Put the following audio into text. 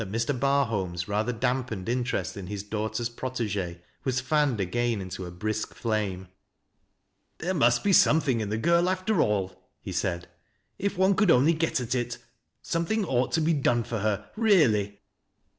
Bur WAfCHINQ AND WAITING. 239 holm's rather darnpeLed interest iu his daugLter s prot^gci was fanned again into a brisk flame. "There must be something in the girl, after all," be said, " if one could only get at it. Something ought to bo done for her, really."